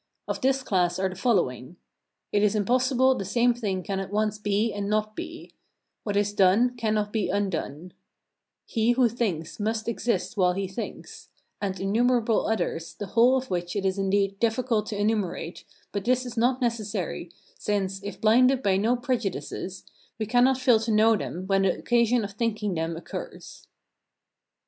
Of this class are the following: It is impossible the same thing can at once be and not be; what is done cannot be undone; he who thinks must exist while he thinks; and innumerable others, the whole of which it is indeed difficult to enumerate, but this is not necessary, since, if blinded by no prejudices, we cannot fail to know them when the occasion of thinking them occurs.